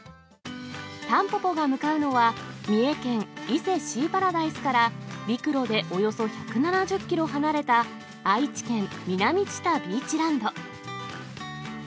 タンポポが向かうのは、三重県伊勢シーパラダイスから、陸路でおよそ１７０キロ離れた愛知県南知多ビーチランド。